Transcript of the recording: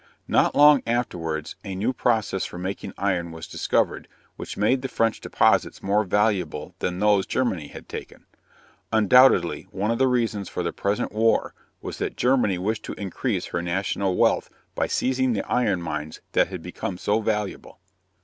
Not long afterwards a new process for making iron was discovered which made the French deposits more valuable than those Germany had taken. Undoubtedly one of the reasons for the present war was that Germany wished to increase her national wealth by seizing the iron mines that had become so valuable.